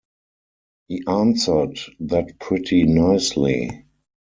He answered that pretty nicely.